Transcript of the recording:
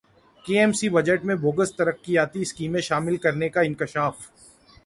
کے M C budget میں bogus ترقیاتی اسکیمیں شامل کرنیکا انکشاف